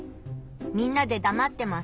みんなでだまってます。